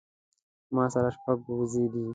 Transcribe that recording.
ما سره شپږ وزې دي